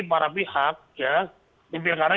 para pihak ya lebih ke arah